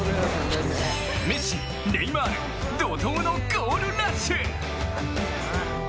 メッシ、ネイマール怒とうのゴールラッシュ！